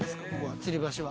つり橋は。